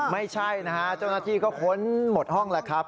ไม่ใช่นะฮะเจ้าหน้าที่ก็ค้นหมดห้องแล้วครับ